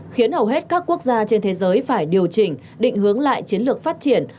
khiến hầu hết các quốc gia trên thế giới phải điều chỉnh định hướng lại chiến lược phát triển